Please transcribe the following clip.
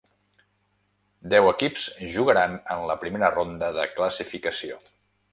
Deu equips jugaran en la primera ronda de classificació.